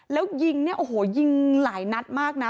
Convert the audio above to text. แล้วยิงเนี่ยโอ้โหยิงหลายนัดมากนะ